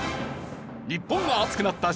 日本が熱くなった！